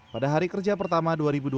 pada hari kerja pertama dua ribu dua puluh